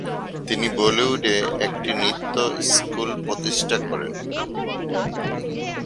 তিনি বলিউডে একটি নৃত্য স্কুল প্রতিষ্ঠা করেন।